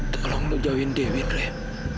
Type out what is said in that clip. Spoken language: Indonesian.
tolong lo jauhin dewi reh